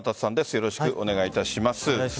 よろしくお願いします。